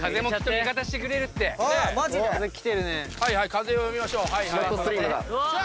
風を読みましょう。